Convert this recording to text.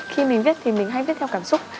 khi mình viết thì mình hay viết theo cảm xúc